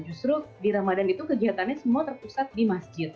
justru di ramadan itu kegiatannya semua terpusat di masjid